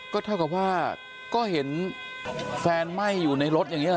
ก็เท่ากับว่าก็เห็นแฟนไหม้อยู่ในรถอย่างนี้หรอ